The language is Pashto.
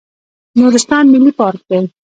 نورستان ملي پارک دی